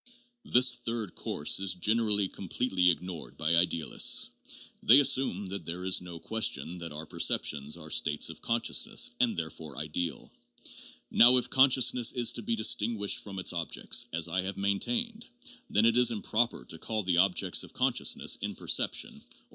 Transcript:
This third course is generally completely ignored by idealists. They assume that there is no question that our perceptions are 'states of consciousness, ' and therefore ideal. Now if consciousness is to be distinguished from its objects, as I have maintained, then it is improper to call the object of consciousness in perception, or any *' A Treatise concerning the Principles of Human Knowledge,' § 8.